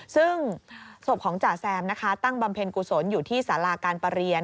ซึ่งศพของจ่าแซมนะคะตั้งบำเพ็ญกุศลอยู่ที่สาราการประเรียน